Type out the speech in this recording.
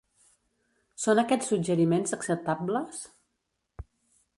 Són aquests suggeriments acceptables?